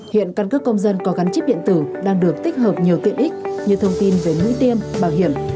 hiện căn cước công dân có gắn chip điện tử đang được tích hợp nhiều tiện ích như thông tin về mũi tiêm bảo hiểm